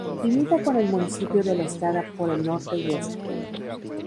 Limita con el municipio de La Estrada por el norte y este.